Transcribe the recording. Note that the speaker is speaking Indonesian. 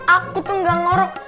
aku tuh gak ngorok